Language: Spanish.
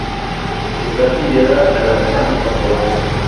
Está afiliada a la Unión Ortodoxa.